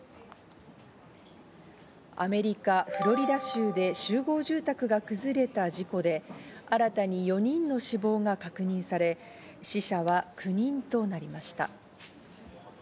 アメリカ・フロリダ州で集合住宅が崩れた事故で新たに４人の死亡が確認され、死者は９人となりました。